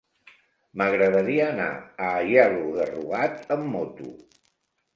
M'agradaria anar a Aielo de Rugat amb moto.